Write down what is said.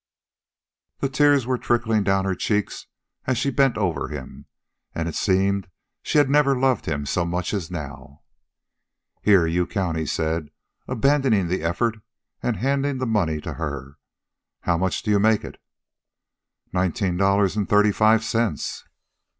The tears were trickling down her checks as she bent over him, and it seemed she had never loved him so much as now. "Here; you count," he said, abandoning the effort and handing the money to her. "... How much do you make it?" "Nineteen dollars and thirty five cents."